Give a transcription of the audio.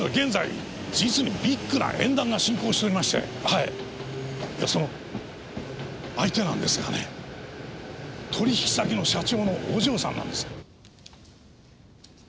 いやその相手なんですがね取引先の社長のお嬢さんなんです。